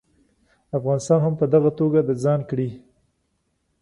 افغانستان هم په دغه توګه د ځان کړي.